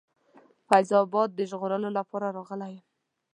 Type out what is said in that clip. فیض آباد د ژغورلو لپاره راغلی یم.